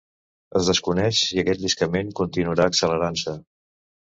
Es desconeix si aquest lliscament continuarà accelerant-se.